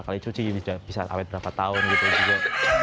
kali cuci bisa awet berapa tahun gitu juga